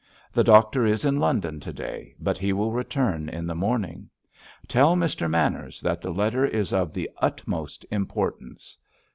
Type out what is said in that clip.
The doctor is in London to day, but he will return in the morning. Tell Mr. Manners that the letter is of the utmost importance."